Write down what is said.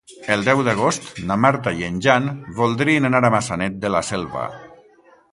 El deu d'agost na Marta i en Jan voldrien anar a Maçanet de la Selva.